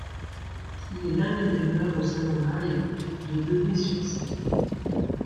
Il est l'invité d'Honneur au salon Live de Le Mée-sur-Seine.